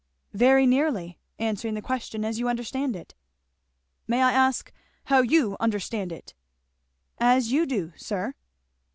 "Very nearly answering the question as you understand it." "May I ask how you understand it?" "As you do, sir."